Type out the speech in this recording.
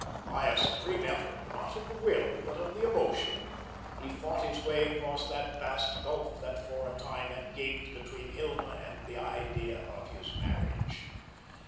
By a supreme effort, not of the will, but of the emotion, he fought his way across that vast gulf that for a time had gaped between Hilma and the idea of his marriage.